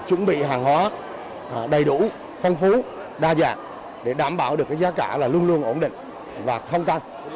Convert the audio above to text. chuẩn bị hàng hóa đầy đủ phong phú đa dạng để đảm bảo được giá cả luôn luôn ổn định và không can